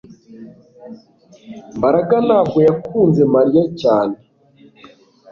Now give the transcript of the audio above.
Mbaraga ntabwo yakunze Mariya cyane